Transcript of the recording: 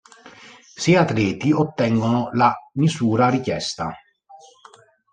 Sei atleti ottengono la misura richiesta.